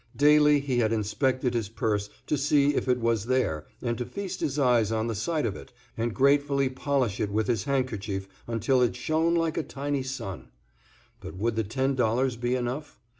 Daily he had inspected his purse to see if it was there and to feast his eyes on the sight of it and gratefully polish it with his handkerchief until it shone like a tiny sun. But would the ten dollars be enough?